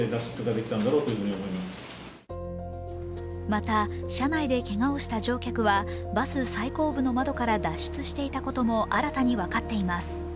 また、車内でけがをした乗客はバス最後部の窓から脱出していたことも新たに分かっています。